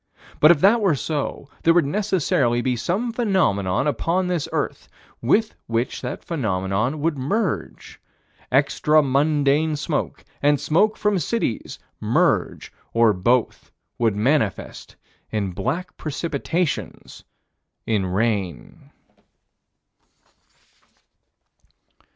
But if it were so, there would necessarily be some phenomenon upon this earth, with which that phenomenon would merge. Extra mundane smoke and smoke from cities merge, or both would manifest in black precipitations in rain.